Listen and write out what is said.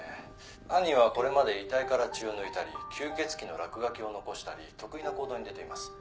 「犯人はこれまで遺体から血を抜いたり吸血鬼の落書きを残したり特異な行動に出ています」